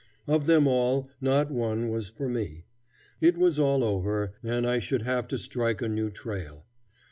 Of them all not one was for me. It was all over, and I should have to strike a new trail.